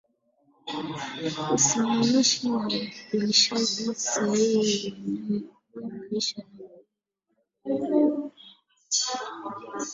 Usimamizi na ulishaji sahihi wa wanyama hukabiliana na ugonjwa wa minyoo